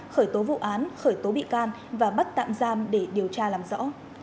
khởi tố vụ án khởi tố bị can và bắt tạm giam để điều tra làm rõ